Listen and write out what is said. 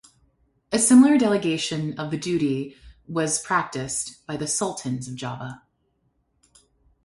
A similar delegation of the duty was practiced by the Sultans of Java.